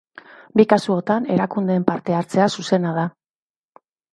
Bi kasuotan erakundeen parte hartzea zuzena da.